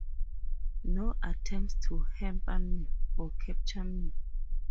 No attempts to hamper me, or capture me!